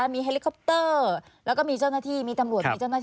มีภาพที่แชร์กันในช่วงเย็น